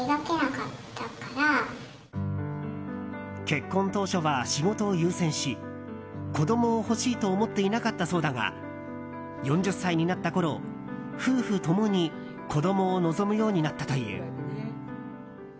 結婚当初は仕事を優先し子供を欲しいと思っていなかったそうだが４０歳になったころ夫婦共に子供を望むようになったという。